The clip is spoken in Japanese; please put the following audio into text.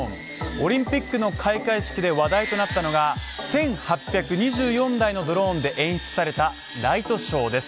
オリンピックの開会式で話題となったのが１８２４台のドローンで演出されたライトショーです。